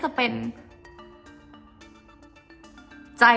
จนดิวไม่แน่ใจว่าความรักที่ดิวได้รักมันคืออะไร